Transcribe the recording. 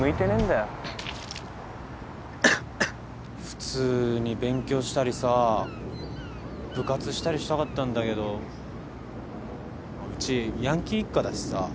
普通に勉強したりさ部活したりしたかったんだけどうちヤンキー一家だしさ。